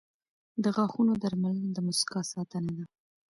• د غاښونو درملنه د مسکا ساتنه ده.